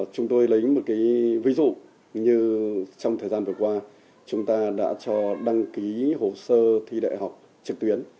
chúng tôi lấy một ví dụ như trong thời gian vừa qua chúng ta đã cho đăng ký hồ sơ thi đại học trực tuyến